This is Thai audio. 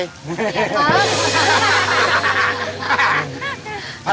พระครูมีผลลาย